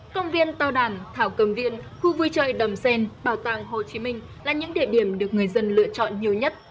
công viên tàu đàn thảo cầm viên khu vui chơi đầm xen bảo tàng hồ chí minh là những địa điểm được người dân lựa chọn nhiều nhất